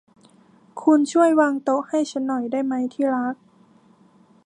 คุณช่วยวางโต๊ะให้ฉันหน่อยได้มั้ย ที่รัก